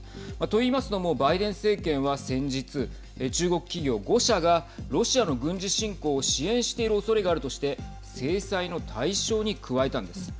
といいますのもバイデン政権は先日中国企業５社がロシアの軍事侵攻を支援しているおそれがあるとして制裁の対象に加えたんです。